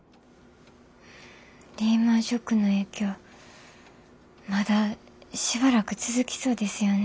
リーマンショックの影響まだしばらく続きそうですよね。